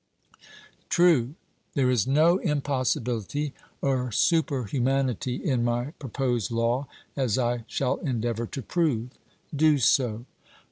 'True.' There is no impossibility or super humanity in my proposed law, as I shall endeavour to prove. 'Do so.'